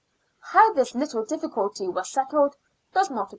How this little diffic\ilty was settled does not appear.